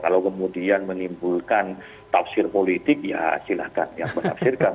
kalau kemudian menimbulkan tafsir politik ya silahkan yang menafsirkan